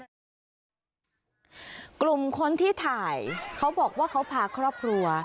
กลุ่มคนที่ถ่ายเขาบอกว่าเขาพาครอบครัว